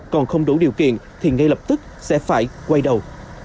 còn không đủ điều kiện thì ngay lập tức sẽ phải quay đầu